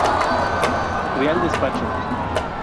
Real Despacho.